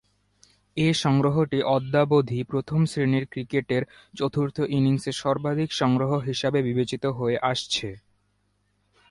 এ সংগ্রহটি অদ্যাবধি প্রথম-শ্রেণীর ক্রিকেটের চতুর্থ ইনিংসে সর্বাধিক সংগ্রহ হিসেবে বিবেচিত হয়ে আসছে।